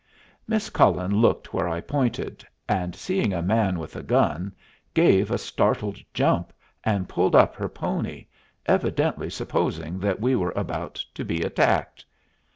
Miss Cullen looked where I pointed, and seeing a man with a gun, gave a startled jump, and pulled up her pony, evidently supposing that we were about to be attacked.